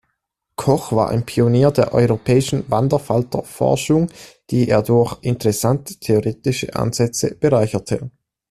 Koch war ein Pionier der europäischen Wanderfalter-Forschung, die er durch interessante theoretische Ansätze bereicherte.